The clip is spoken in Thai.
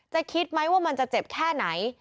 คิดไหมว่ามันจะเจ็บแค่ไหน